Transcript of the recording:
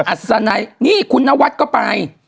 อัศนัยนี่คุณนวัดก็ไป